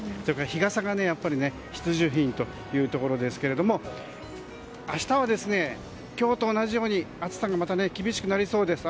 日傘が必需品というところですけれども明日は今日と同じように暑さが厳しくなりそうです。